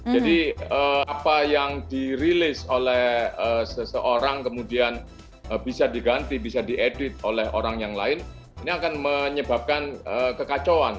jadi apa yang dirilis oleh seseorang kemudian bisa diganti bisa diedit oleh orang yang lain ini akan menyebabkan kekacauan